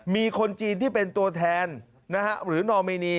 มีคนจีนที่เป็นตัวแทนนะฮะ